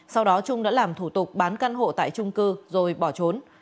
sau đó trung đã làm thủ tục bán căn hộ tại trung cư rồi bỏ trốn